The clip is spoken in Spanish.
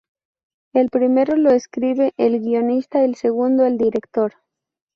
El primero lo escribe el guionista; el segundo, el director.